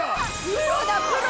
プロだプロ！